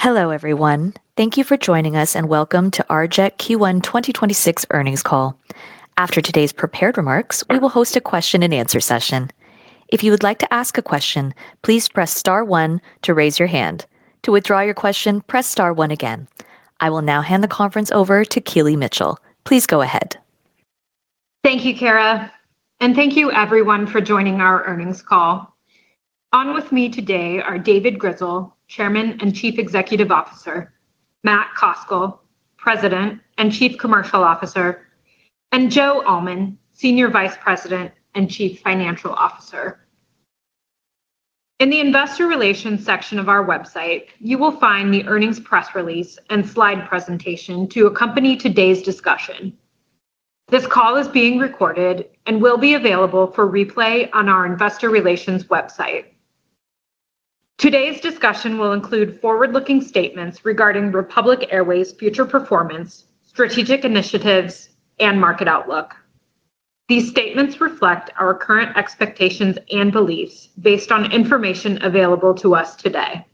Hello, everyone. Thank you for joining us and welcome to RJET Q1 2026 earnings call. After today's prepared remarks, we will host a question and answer session. If you would like to ask a question, please press star one to raise your hand. To withdraw your question, press star one again. I will now hand the conference over to Keely Mitchell. Please go ahead. Thank you, Kara. Thank you everyone for joining our earnings call. On with me today are David Grizzle, Chairman and Chief Executive Officer, Matt Koscal, President and Chief Commercial Officer, and Joe Allman, Senior Vice President and Chief Financial Officer. In the investor relations section of our website, you will find the earnings press release and slide presentation to accompany today's discussion. This call is being recorded and will be available for replay on our investor relations website. Today's discussion will include forward-looking statements regarding Republic Airways future performance, strategic initiatives, and market outlook. These statements reflect our current expectations and beliefs based on information available to us today.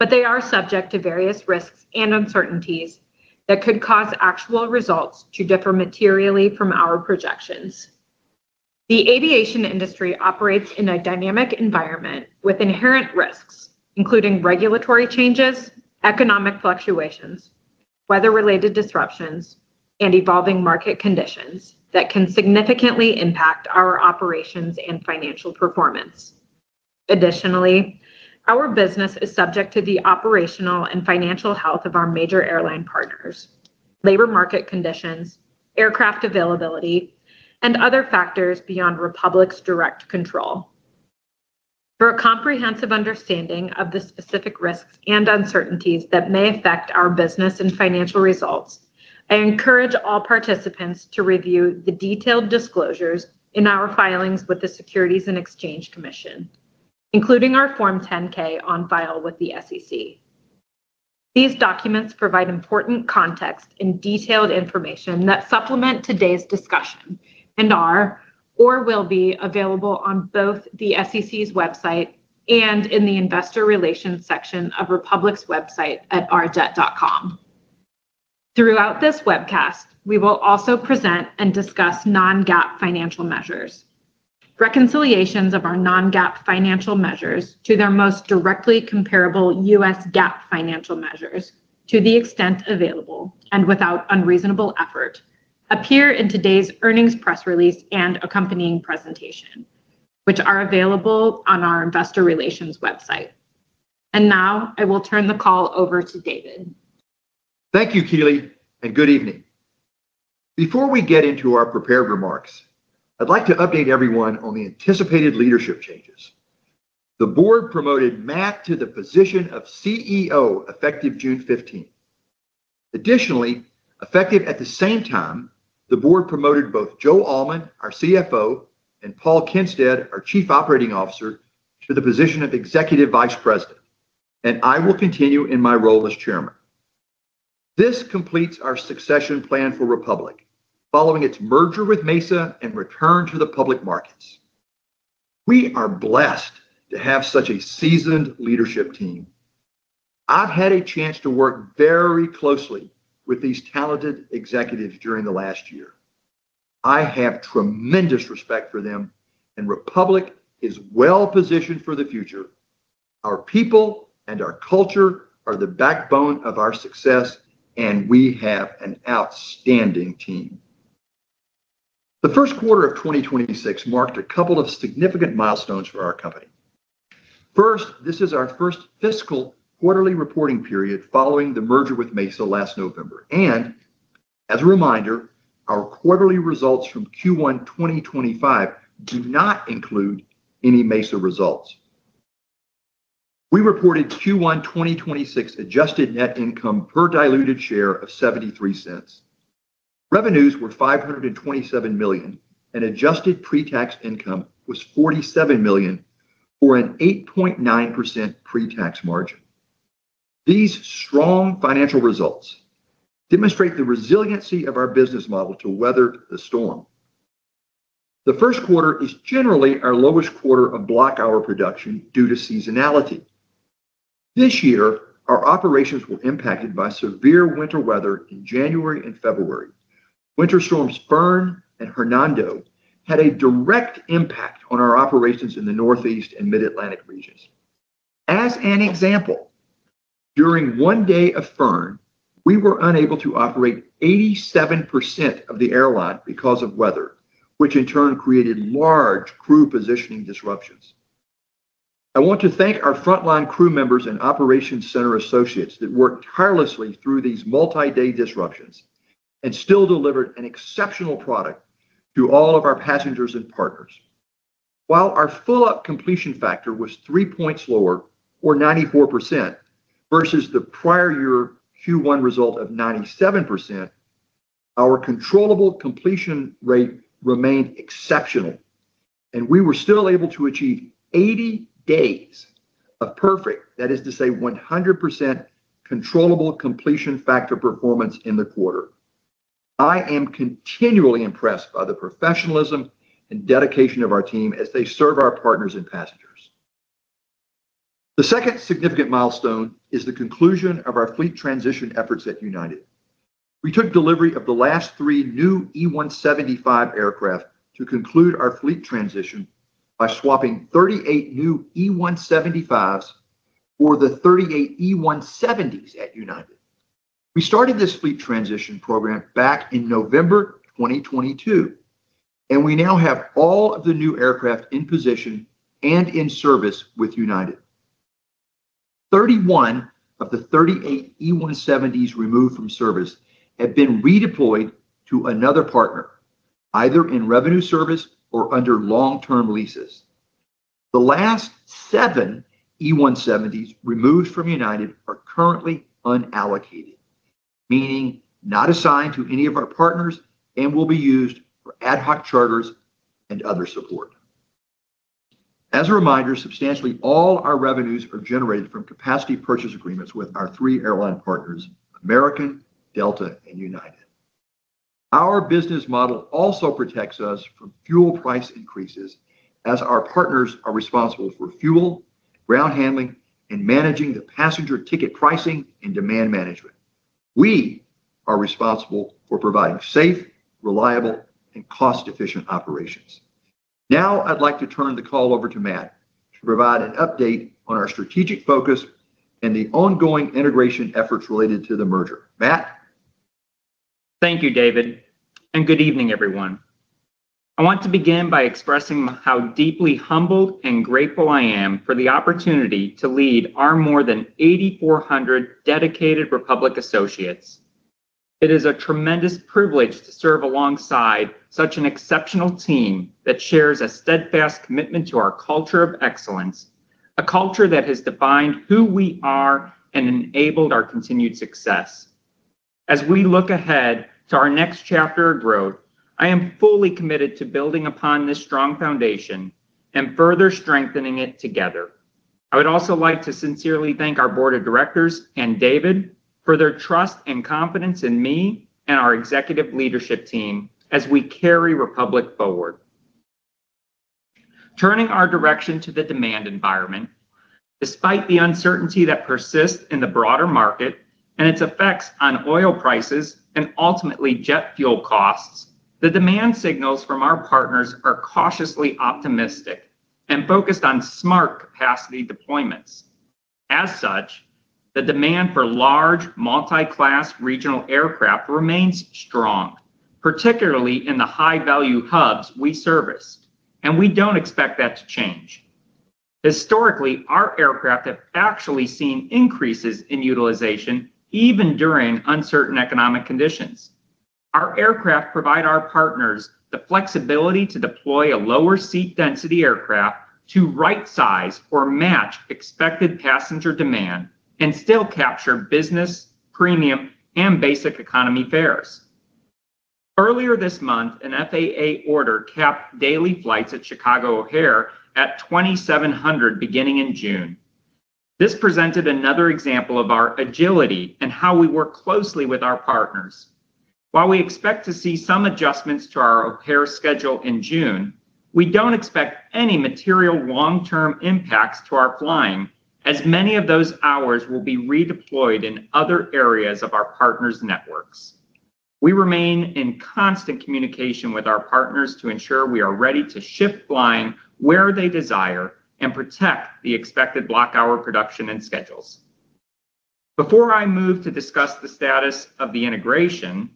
They are subject to various risks and uncertainties that could cause actual results to differ materially from our projections. The aviation industry operates in a dynamic environment with inherent risks, including regulatory changes, economic fluctuations, weather-related disruptions, and evolving market conditions that can significantly impact our operations and financial performance. Additionally, our business is subject to the operational and financial health of our major airline partners, labor market conditions, aircraft availability, and other factors beyond Republic's direct control. For a comprehensive understanding of the specific risks and uncertainties that may affect our business and financial results, I encourage all participants to review the detailed disclosures in our filings with the Securities and Exchange Commission, including our Form 10-K on file with the SEC. These documents provide important context and detailed information that supplement today's discussion and are or will be available on both the SEC's website and in the investor relations section of Republic's website at rjet.com. Throughout this webcast, we will also present and discuss Non-GAAP financial measures. Reconciliations of our Non-GAAP financial measures to their most directly comparable U.S. GAAP financial measures to the extent available and without unreasonable effort appear in today's earnings press release and accompanying presentation, which are available on our investor relations website. Now I will turn the call over to David. Thank you, Keely, and good evening. Before we get into our prepared remarks, I'd like to update everyone on the anticipated leadership changes. The board promoted Matt to the position of CEO effective June 15th. Additionally, effective at the same time, the board promoted both Joe Allman, our CFO, and Paul Kinstedt, our Chief Operating Officer, to the position of Executive Vice President, and I will continue in my role as Chairman. This completes our succession plan for Republic, following its merger with Mesa and return to the public markets. We are blessed to have such a seasoned leadership team. I've had a chance to work very closely with these talented executives during the last year. I have tremendous respect for them, and Republic is well-positioned for the future. Our people and our culture are the backbone of our success, and we have an outstanding team. The first quarter of 2026 marked a couple of significant milestones for our company. First, this is our first fiscal quarterly reporting period following the merger with Mesa last November. As a reminder, our quarterly results from Q1 2025 do not include any Mesa results. We reported Q1 2026 adjusted net income per diluted share of $0.73. Revenues were $527 million, and adjusted pre-tax income was $47 million, or an 8.9% pre-tax margin. These strong financial results demonstrate the resiliency of our business model to weather the storm. The first quarter is generally our lowest quarter of block hour production due to seasonality. This year, our operations were impacted by severe winter weather in January and February. Winter storms Fern and Hernando had a direct impact on our operations in the Northeast and Mid-Atlantic regions. As an example, during one day of Fern, we were unable to operate 87% of the airline because of weather, which in turn created large crew positioning disruptions. I want to thank our frontline crew members and operations center associates that worked tirelessly through these multi-day disruptions and still delivered an exceptional product to all of our passengers and partners. Our full up completion factor was three points lower or 94% versus the prior year Q1 result of 97%, our controllable completion rate remained exceptional, and we were still able to achieve 80 days of perfect, that is to say 100% controllable completion factor performance in the quarter. I am continually impressed by the professionalism and dedication of our team as they serve our partners and passengers. The second significant milestone is the conclusion of our fleet transition efforts at United. We took delivery of the last three new E175 aircraft to conclude our fleet transition by swapping 38 new E175s for the 38 E170s at United. We started this fleet transition program back in November 2022. We now have all of the new aircraft in position and in service with United. 31 of the 38 E170s removed from service have been redeployed to another partner, either in revenue service or under long-term leases. The last seven E170s removed from United are currently unallocated, meaning not assigned to any of our partners and will be used for ad hoc charters and other support. As a reminder, substantially all our revenues are generated from capacity purchase agreements with our three airline partners, American, Delta and United. Our business model also protects us from fuel price increases as our partners are responsible for fuel, ground handling and managing the passenger ticket pricing and demand management. We are responsible for providing safe, reliable and cost-efficient operations. Now I'd like to turn the call over to Matt to provide an update on our strategic focus and the ongoing integration efforts related to the merger. Matt? Thank you, David. Good evening, everyone. I want to begin by expressing how deeply humbled and grateful I am for the opportunity to lead our more than 8,400 dedicated Republic associates. It is a tremendous privilege to serve alongside such an exceptional team that shares a steadfast commitment to our culture of excellence, a culture that has defined who we are and enabled our continued success. As we look ahead to our next chapter of growth, I am fully committed to building upon this strong foundation and further strengthening it together. I would also like to sincerely thank our board of directors and David for their trust and confidence in me and our executive leadership team as we carry Republic forward. Turning our direction to the demand environment, despite the uncertainty that persists in the broader market and its effects on oil prices and ultimately jet fuel costs, the demand signals from our partners are cautiously optimistic and focused on smart capacity deployments. As such, the demand for large multi-class regional aircraft remains strong, particularly in the high-value hubs we service, and we don't expect that to change. Historically, our aircraft have actually seen increases in utilization even during uncertain economic conditions. Our aircraft provide our partners the flexibility to deploy a lower seat density aircraft to right size or match expected passenger demand and still capture business, premium and basic economy fares. Earlier this month, an FAA order capped daily flights at Chicago O'Hare at 2,700 beginning in June. This presented another example of our agility and how we work closely with our partners. While we expect to see some adjustments to our O'Hare schedule in June, we don't expect any material long-term impacts to our flying as many of those hours will be redeployed in other areas of our partners' networks. We remain in constant communication with our partners to ensure we are ready to shift flying where they desire and protect the expected block hour production and schedules. Before I move to discuss the status of the integration,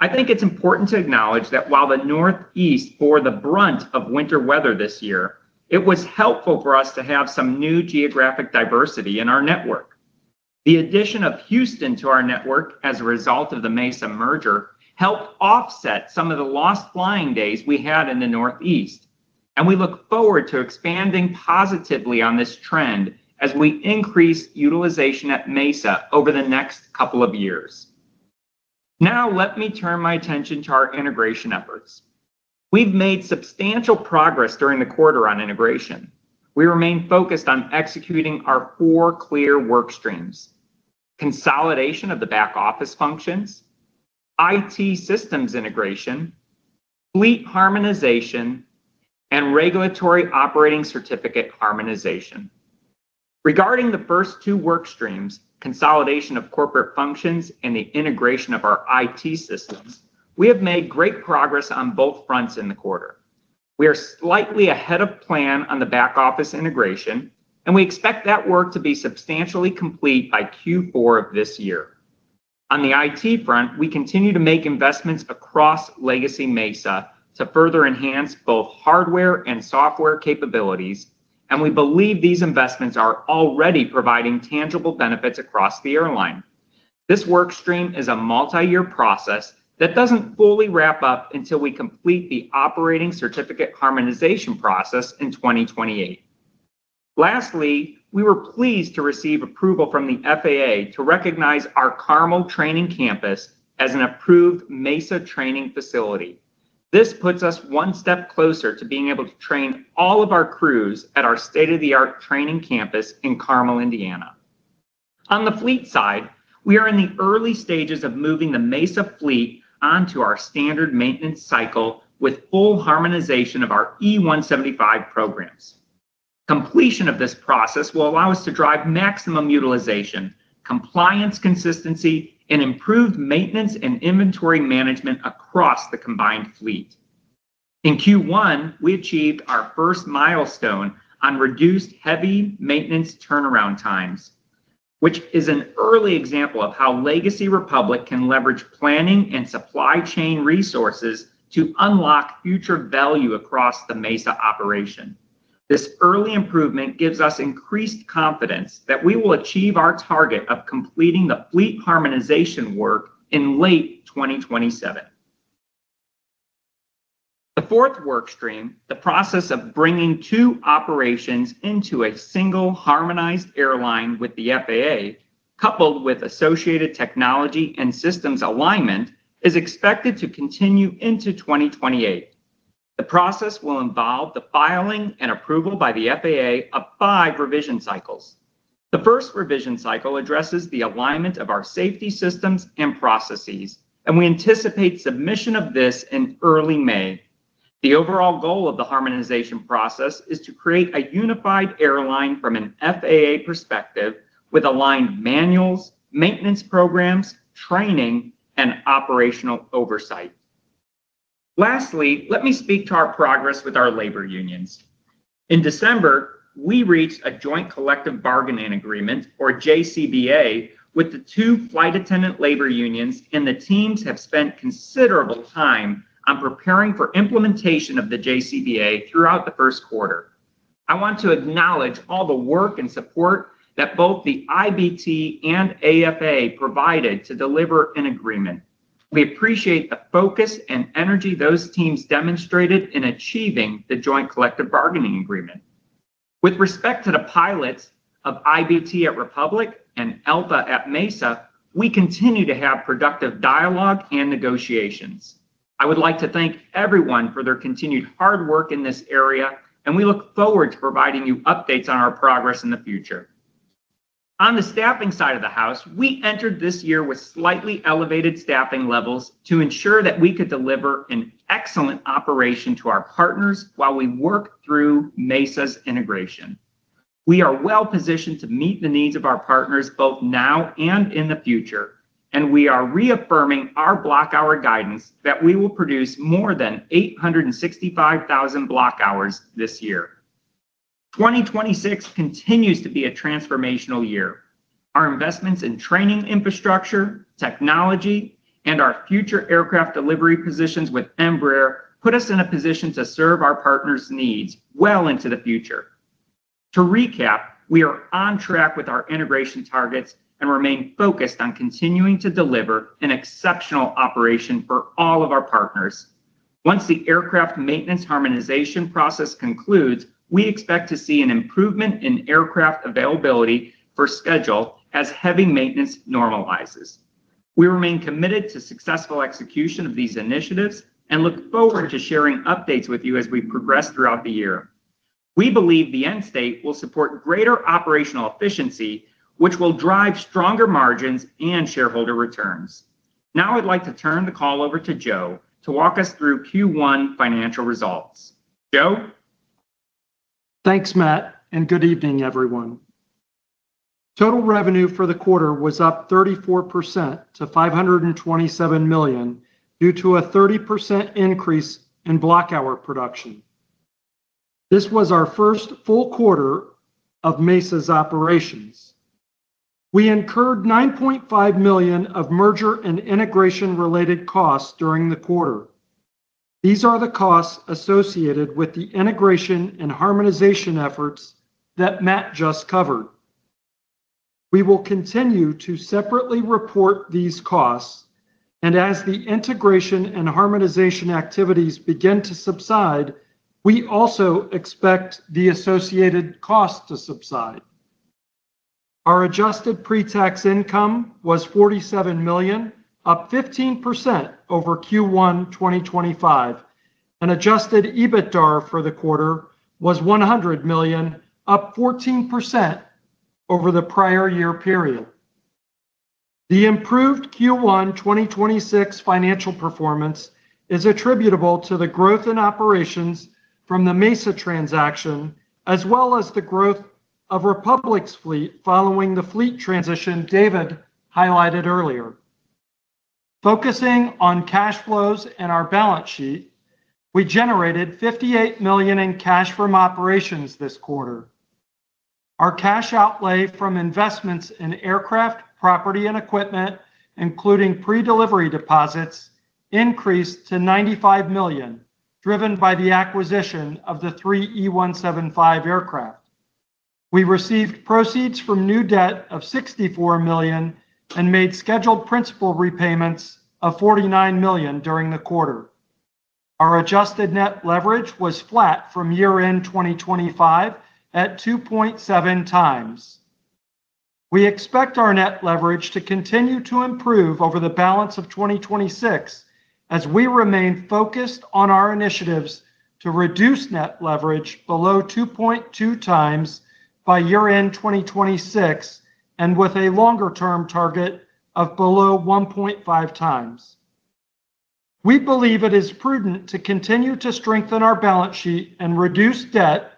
I think it's important to acknowledge that while the Northeast bore the brunt of winter weather this year, it was helpful for us to have some new geographic diversity in our network. The addition of Houston to our network as a result of the Mesa merger helped offset some of the lost flying days we had in the Northeast, and we look forward to expanding positively on this trend as we increase utilization at Mesa over the next couple of years. Now let me turn my attention to our integration efforts. We've made substantial progress during the quarter on integration. We remain focused on executing our four clear work streams. Consolidation of the back office functions, IT systems integration, fleet harmonization, and regulatory operating certificate harmonization. Regarding the first two work streams, consolidation of corporate functions and the integration of our IT systems, we have made great progress on both fronts in the quarter. We are slightly ahead of plan on the back office integration, and we expect that work to be substantially complete by Q4 of this year. On the IT front, we continue to make investments across Legacy Mesa to further enhance both hardware and software capabilities, and we believe these investments are already providing tangible benefits across the airline. This work stream is a multi-year process that doesn't fully wrap up until we complete the operating certificate harmonization process in 2028. Lastly, we were pleased to receive approval from the FAA to recognize our Carmel training campus as an approved Mesa training facility. This puts us one step closer to being able to train all of our crews at our state-of-the-art training campus in Carmel, Indiana. On the fleet side, we are in the early stages of moving the Mesa fleet onto our standard maintenance cycle with full harmonization of our E175 programs. Completion of this process will allow us to drive maximum utilization, compliance consistency and improved maintenance and inventory management across the combined fleet. In Q1, we achieved our first milestone on reduced heavy maintenance turnaround times, which is an early example of how Legacy Republic can leverage planning and supply chain resources to unlock future value across the Mesa operation. This early improvement gives us increased confidence that we will achieve our target of completing the fleet harmonization work in late 2027. The fourth work stream, the process of bringing two operations into a single harmonized airline with the FAA, coupled with associated technology and systems alignment, is expected to continue into 2028. The process will involve the filing and approval by the FAA of five revision cycles. The first revision cycle addresses the alignment of our safety systems and processes, and we anticipate submission of this in early May. The overall goal of the harmonization process is to create a unified airline from an FAA perspective with aligned manuals, maintenance programs, training and operational oversight. Lastly, let me speak to our progress with our labor unions. In December, we reached a joint collective bargaining agreement or JCBA with the two flight attendant labor unions, and the teams have spent considerable time on preparing for implementation of the JCBA throughout the first quarter. I want to acknowledge all the work and support that both the IBT and AFA provided to deliver an agreement. We appreciate the focus and energy those teams demonstrated in achieving the joint collective bargaining agreement. With respect to the pilots of IBT at Republic and ALPA at Mesa, we continue to have productive dialogue and negotiations. I would like to thank everyone for their continued hard work in this area and we look forward to providing you updates on our progress in the future. On the staffing side of the house, we entered this year with slightly elevated staffing levels to ensure that we could deliver an excellent operation to our partners while we work through Mesa's integration. We are well-positioned to meet the needs of our partners both now and in the future, and we are reaffirming our block hour guidance that we will produce more than 865,000 block hours this year. 2026 continues to be a transformational year. Our investments in training infrastructure, technology and our future aircraft delivery positions with Embraer put us in a position to serve our partners' needs well into the future. To recap, we are on track with our integration targets and remain focused on continuing to deliver an exceptional operation for all of our partners. Once the aircraft maintenance harmonization process concludes, we expect to see an improvement in aircraft availability for schedule as heavy maintenance normalizes. We remain committed to successful execution of these initiatives and look forward to sharing updates with you as we progress throughout the year. We believe the end state will support greater operational efficiency, which will drive stronger margins and shareholder returns. Now I'd like to turn the call over to Joe to walk us through Q1 financial results. Joe? Thanks, Matt, and good evening, everyone. Total revenue for the quarter was up 34% to $527 million due to a 30% increase in block hour production. This was our first full quarter of Mesa's operations. We incurred $9.5 million of merger and integration related costs during the quarter. These are the costs associated with the integration and harmonization efforts that Matt just covered. We will continue to separately report these costs and as the integration and harmonization activities begin to subside, we also expect the associated costs to subside. Our adjusted pre-tax income was $47 million, up 15% over Q1 2025, and adjusted EBITDAR for the quarter was $100 million, up 14% over the prior year period. The improved Q1 2026 financial performance is attributable to the growth in operations from the Mesa transaction as well as the growth of Republic's fleet following the fleet transition David highlighted earlier. Focusing on cash flows and our balance sheet, we generated $58 million in cash from operations this quarter. Our cash outlay from investments in aircraft, property and equipment, including pre-delivery deposits, increased to $95 million, driven by the acquisition of the 3 E175 aircraft. We received proceeds from new debt of $64 million and made scheduled principal repayments of $49 million during the quarter. Our adjusted net leverage was flat from year-end 2025 at 2.7 times. We expect our net leverage to continue to improve over the balance of 2026. As we remain focused on our initiatives to reduce net leverage below 2.2 times by year-end 2026, and with a longer-term target of below 1.5 times. We believe it is prudent to continue to strengthen our balance sheet and reduce debt,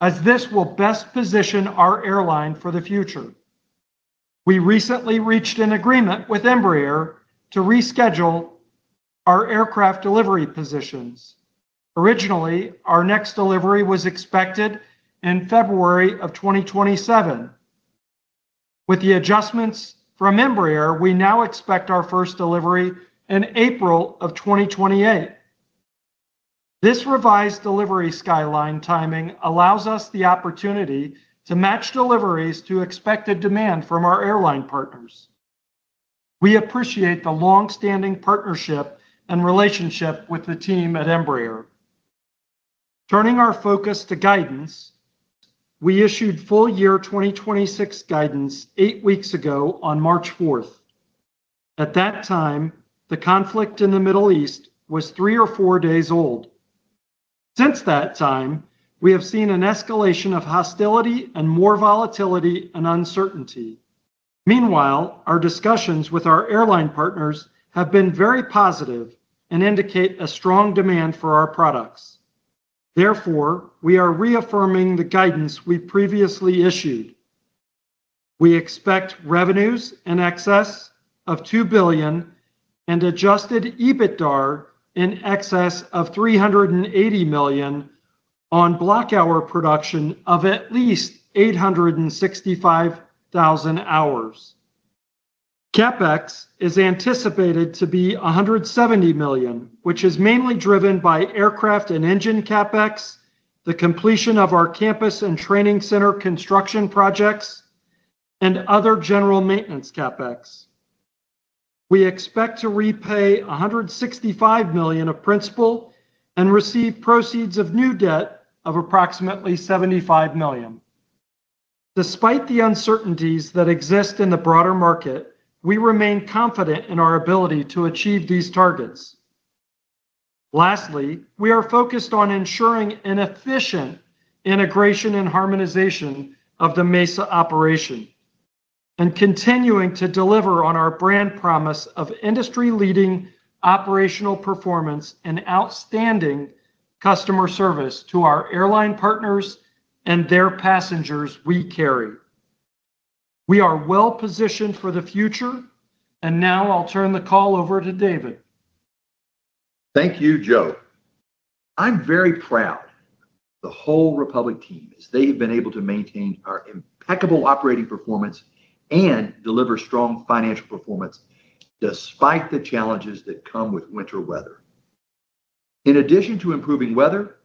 as this will best position our airline for the future. We recently reached an agreement with Embraer to reschedule our aircraft delivery positions. Originally, our next delivery was expected in February of 2027. With the adjustments from Embraer, we now expect our first delivery in April of 2028. This revised delivery skyline timing allows us the opportunity to match deliveries to expected demand from our airline partners. We appreciate the long-standing partnership and relationship with the team at Embraer. Turning our focus to guidance, we issued full year 2026 guidance eight weeks ago on March fourth. At that time, the conflict in the Middle East was three or four days old. Since that time, we have seen an escalation of hostility and more volatility and uncertainty. Meanwhile, our discussions with our airline partners have been very positive and indicate a strong demand for our products. Therefore, we are reaffirming the guidance we previously issued. We expect revenues in excess of $2 billion and adjusted EBITDAR in excess of $380 million on block hour production of at least 865,000 hours. CapEx is anticipated to be $170 million, which is mainly driven by aircraft and engine CapEx, the completion of our campus and training center construction projects, and other general maintenance CapEx. We expect to repay $165 million of principal and receive proceeds of new debt of approximately $75 million. Despite the uncertainties that exist in the broader market, we remain confident in our ability to achieve these targets. Lastly, we are focused on ensuring an efficient integration and harmonization of the Mesa operation and continuing to deliver on our brand promise of industry-leading operational performance and outstanding customer service to our airline partners and their passengers we carry. We are well-positioned for the future. Now I'll turn the call over to David. Thank you, Joe. I'm very proud of the whole Republic team as they have been able to maintain our impeccable operating performance and deliver strong financial performance despite the challenges that come with winter weather. In addition to improving weather,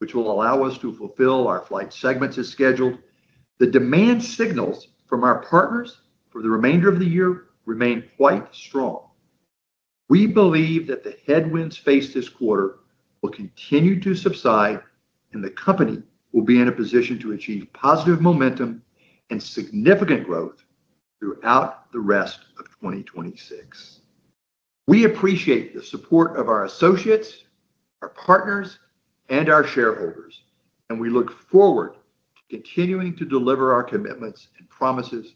which will allow us to fulfill our flight segments as scheduled, the demand signals from our partners for the remainder of the year remain quite strong. We believe that the headwinds faced this quarter will continue to subside, and the company will be in a position to achieve positive momentum and significant growth throughout the rest of 2026. We appreciate the support of our associates, our partners, and our shareholders, and we look forward to continuing to deliver our commitments and promises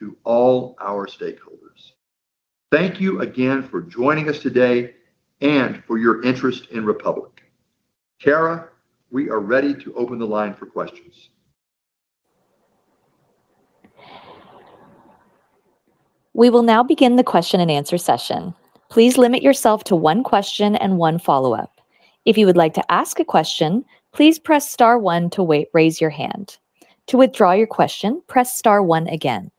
to all our stakeholders. Thank you again for joining us today and for your interest in Republic. Kara, we are ready to open the line for questions. We will now begin the question and answer session. Please limit yourself to one question and one follow-up. If you would like to ask a question, please press star one to wait, raise your hand. To withdraw your question, press star one again.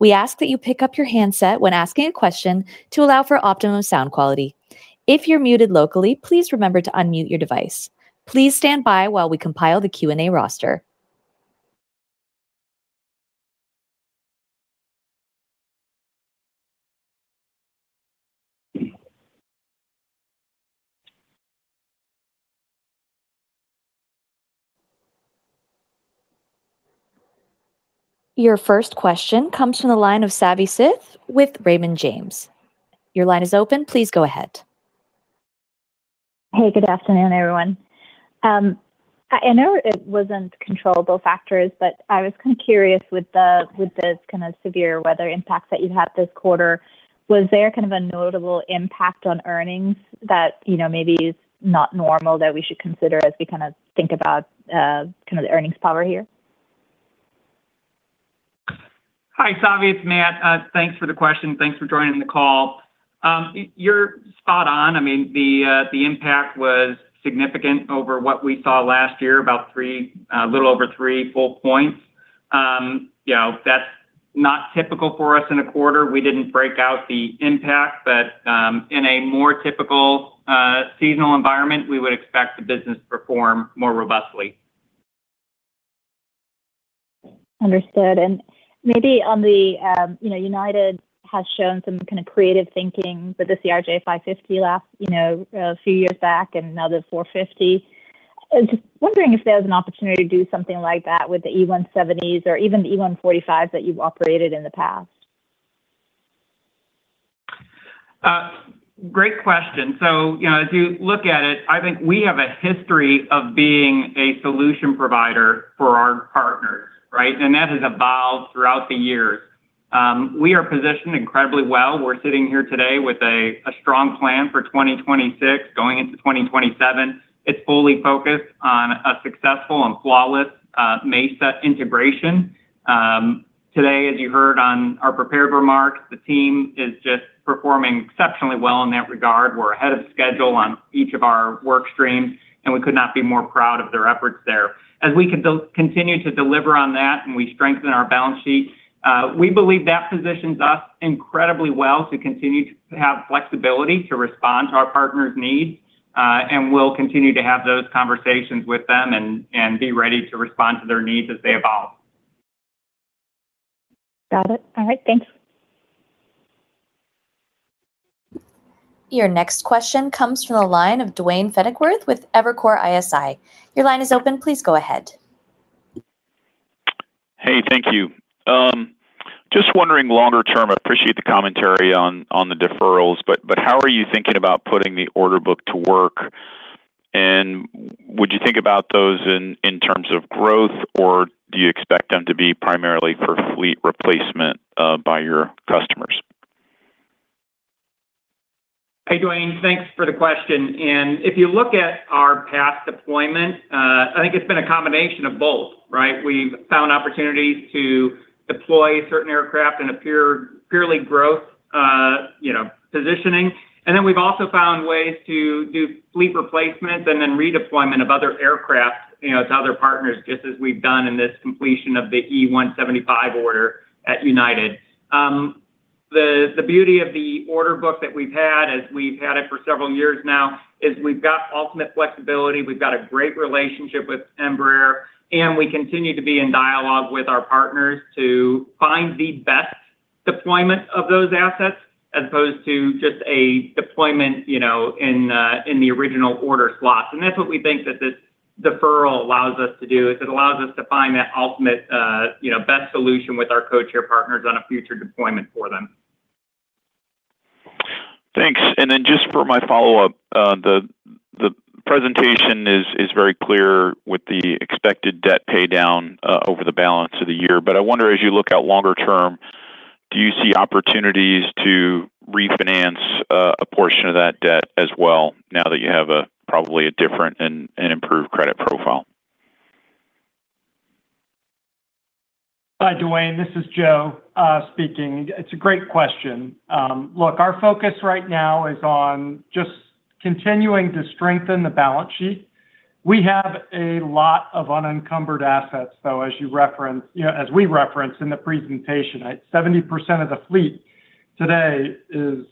We ask that you pick up your handset when asking a question to allow for optimum sound quality. If you're muted locally, please remember to unmute your device. Please stand by while we compile the Q&A roster. Your first question comes from the line of Savanthi Syth with Raymond James. Your line is open. Please go ahead. Hey, good afternoon, everyone. I know it wasn't controllable factors, but I was kind of curious with the kind of severe weather impacts that you had this quarter, was there kind of a notable impact on earnings that, you know, maybe is not normal that we should consider as we kind of think about the earnings power here? Hi, Savi. It's Matt. Thanks for the question. Thanks for joining the call. You're spot on. I mean, the impact was significant over what we saw last year, about three, a little over three full points. You know, that's not typical for us in a quarter. We didn't break out the impact, but in a more typical, seasonal environment, we would expect the business to perform more robustly. Understood. Maybe on the, you know, United has shown some kind of creative thinking with the CRJ550 last, you know, a few years back and now the CRJ450. Just wondering if there's an opportunity to do something like that with the E170s or even the E145s that you've operated in the past? Great question. You know, as you look at it, I think we have a history of being a solution provider for our partners, right? That has evolved throughout the years. We are positioned incredibly well. We're sitting here today with a strong plan for 2026, going into 2027. It's fully focused on a successful and flawless Mesa integration. Today, as you heard on our prepared remarks, the team is just performing exceptionally well in that regard. We're ahead of schedule on each of our work streams, and we could not be more proud of their efforts there. As we continue to deliver on that and we strengthen our balance sheet, we believe that positions us incredibly well to continue to have flexibility to respond to our partners' needs. We'll continue to have those conversations with them and be ready to respond to their needs as they evolve. Got it. All right. Thanks. Your next question comes from the line of Duane Pfennigwerth with Evercore ISI. Your line is open. Please go ahead. Hey, thank you. Just wondering longer term, appreciate the commentary on the deferrals, but how are you thinking about putting the order book to work? Would you think about those in terms of growth, or do you expect them to be primarily for fleet replacement by your customers? Hey, Duane. Thanks for the question. If you look at our past deployment, I think it's been a combination of both, right? We've found opportunities to deploy certain aircraft in a purely growth, you know, positioning. We've also found ways to do fleet replacements and then redeployment of other aircraft, you know, to other partners, just as we've done in this completion of the E175 order at United. The beauty of the order book that we've had, as we've had it for several years now, is we've got ultimate flexibility. We've got a great relationship with Embraer, we continue to be in dialogue with our partners to find the best deployment of those assets as opposed to just a deployment, you know, in the original order slots. That's what we think that this deferral allows us to do, is it allows us to find that ultimate, you know, best solution with our codeshare partners on a future deployment for them. Thanks. Just for my follow-up, the presentation is very clear with the expected debt pay down over the balance of the year. I wonder, as you look out longer term, do you see opportunities to refinance a portion of that debt as well, now that you have a probably different and improved credit profile? Hi, Duane, this is Joe speaking. It's a great question. Our focus right now is on just continuing to strengthen the balance sheet. We have a lot of unencumbered assets, though, as you referenced, you know, as we referenced in the presentation. 70% of the fleet today is,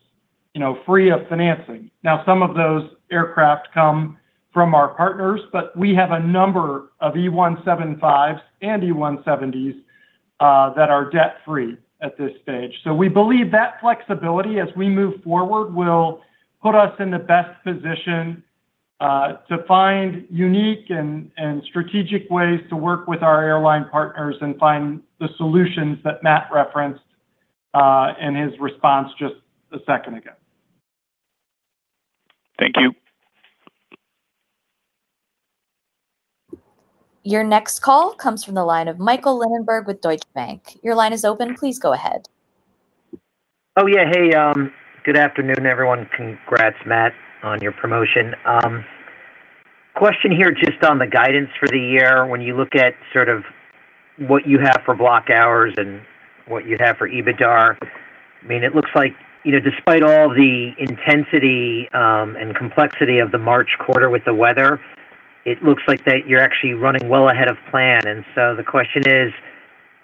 you know, free of financing. Some of those aircraft come from our partners, we have a number of E175s and E170s that are debt-free at this stage. We believe that flexibility, as we move forward, will put us in the best position to find unique and strategic ways to work with our airline partners and find the solutions that Matt referenced in his response just a second ago. Thank you. Your next call comes from the line of Michael Linenberg with Deutsche Bank. Your line is open. Please go ahead. Oh, yeah. Hey, good afternoon, everyone. Congrats, Matt, on your promotion. Question here just on the guidance for the year. When you look at sort of what you have for block hours and what you have for EBITDAR, I mean, it looks like, you know, despite all the intensity and complexity of the March quarter with the weather, it looks like that you're actually running well ahead of plan. The question is: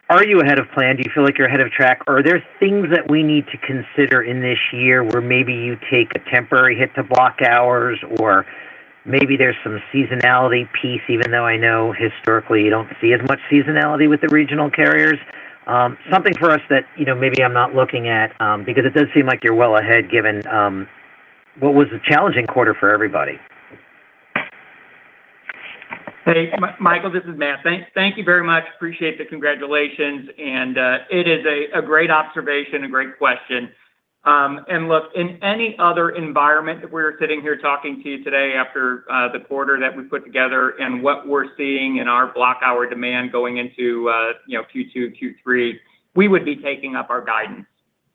Are you ahead of plan? Do you feel like you're ahead of track? Are there things that we need to consider in this year where maybe you take a temporary hit to block hours, or maybe there's some seasonality piece, even though I know historically you don't see as much seasonality with the regional carriers? Something for us that, you know, maybe I'm not looking at, because it does seem like you're well ahead given, what was a challenging quarter for everybody. Hey, Michael, this is Matt. Thank you very much. Appreciate the congratulations, and it is a great observation, a great question. Look, in any other environment, if we were sitting here talking to you today after the quarter that we put together and what we're seeing in our block hour demand going into, you know, Q2 and Q3, we would be taking up our guidance.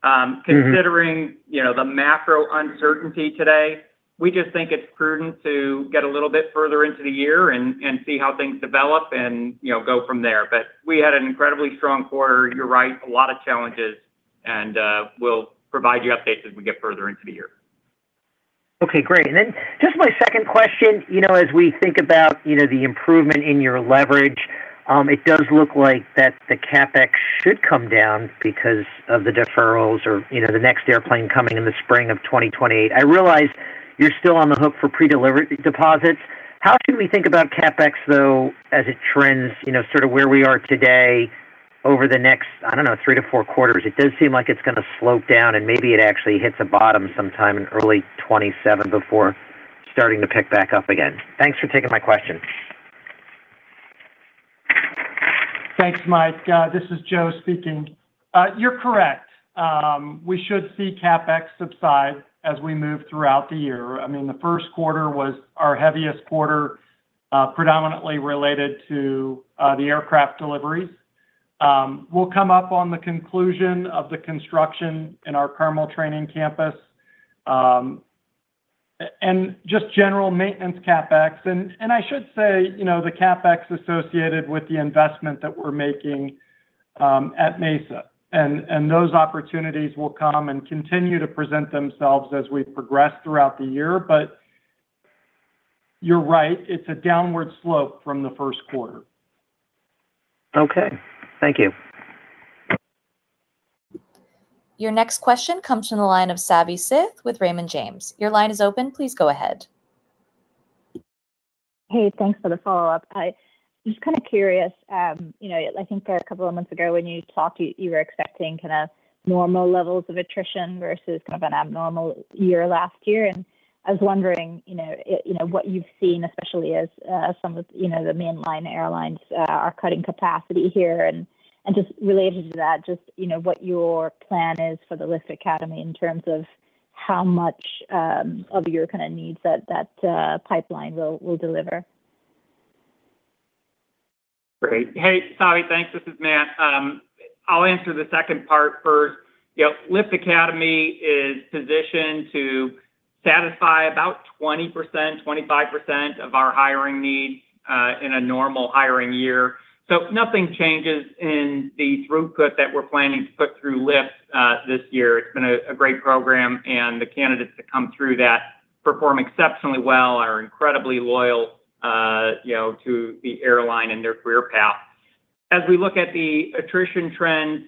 Mm-hmm Considering, you know, the macro uncertainty today, we just think it's prudent to get a little bit further into the year and see how things develop and, you know, go from there. We had an incredibly strong quarter. You're right, a lot of challenges, and we'll provide you updates as we get further into the year. Okay, great. Just my second question, you know, as we think about, you know, the improvement in your leverage, it does look like that the CapEx should come down because of the deferrals or, you know, the next airplane coming in the spring of 2028. I realize you're still on the hook for pre-delivery deposits. How can we think about CapEx, though, as it trends, you know, sort of where we are today. Over the next, I don't know, three to four quarters, it does seem like it's gonna slope down, and maybe it actually hits a bottom sometime in early 2027 before starting to pick back up again. Thanks for taking my question. Thanks, Mike. This is Joe speaking. You're correct. We should see CapEx subside as we move throughout the year. I mean, the first quarter was our heaviest quarter, predominantly related to the aircraft deliveries. We'll come up on the conclusion of the construction in our Carmel training campus and just general maintenance CapEx. I should say, you know, the CapEx associated with the investment that we're making at Mesa, and those opportunities will come and continue to present themselves as we progress throughout the year. You're right, it's a downward slope from the first quarter. Okay. Thank you. Your next question comes from the line of Savanthi Syth with Raymond James. Your line is open. Please go ahead. Hey, thanks for the follow-up. I was just kinda curious, you know, I think two months ago when you talked, you were expecting kinda normal levels of attrition versus kind of an abnormal year last year, and I was wondering, you know, what you've seen, especially as some of the, you know, the mainline airlines are cutting capacity here. Just related to that, just, you know, what your plan is for the LIFT Academy in terms of how much of your kinda needs that pipeline will deliver. Great. Hey, Savi, thanks. This is Matt. I'll answer the second part first. You know, LIFT Academy is positioned to satisfy about 20%-25% of our hiring needs in a normal hiring year. Nothing changes in the throughput that we're planning to put through LIFT this year. It's been a great program, and the candidates that come through that perform exceptionally well, are incredibly loyal, you know, to the airline and their career path. As we look at the attrition trends,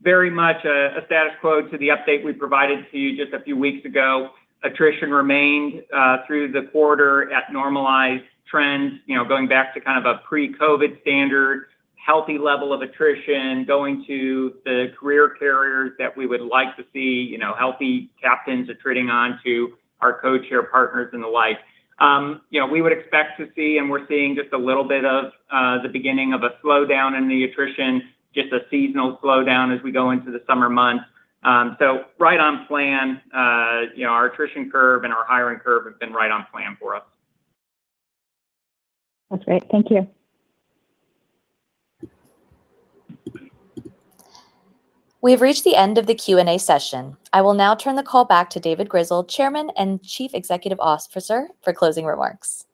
very much a status quo to the update we provided to you just a few weeks ago. Attrition remained through the quarter at normalized trends, you know, going back to kind of a pre-COVID standard, healthy level of attrition, going to the career carriers that we would like to see. You know, healthy captains attriting on to our codeshare partners and the like. You know, we would expect to see, and we're seeing just a little bit of the beginning of a slowdown in the attrition, just a seasonal slowdown as we go into the summer months. Right on plan. You know, our attrition curve and our hiring curve have been right on plan for us. That's great. Thank you. We have reached the end of the Q&A session. I will now turn the call back to David Grizzle, Chairman and Chief Executive Officer, for closing remarks.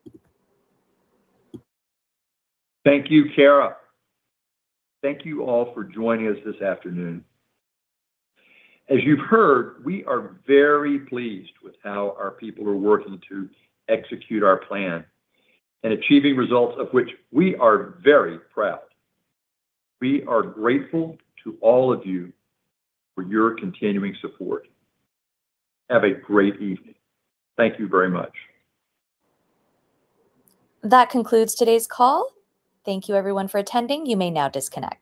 Thank you, Kara. Thank you all for joining us this afternoon. As you've heard, we are very pleased with how our people are working to execute our plan and achieving results of which we are very proud. We are grateful to all of you for your continuing support. Have a great evening. Thank you very much. That concludes today's call. Thank you everyone for attending. You may now disconnect.